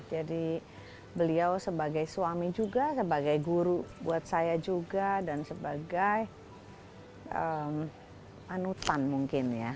jadi beliau sebagai suami juga sebagai guru buat saya juga dan sebagai anutan mungkin ya